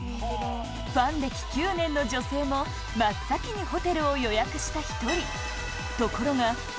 ファン歴９年の女性も真っ先にホテルを予約した一人。